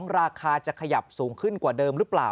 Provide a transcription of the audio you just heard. ราคาจะขยับสูงขึ้นกว่าเดิมหรือเปล่า